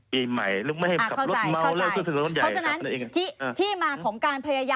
ไม่ใช่ว่าได้รับรายงานว่ามีเครือขายยาเสพติดขาดผ่าน